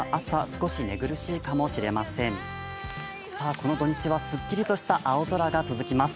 この土日は、すっきりとした青空が続きます。